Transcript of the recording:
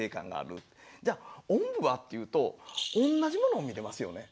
じゃあおんぶはっていうと同じものを見てますよね。